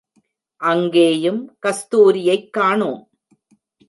அங்கேயும் கஸ்தூரியைக் காணோம்!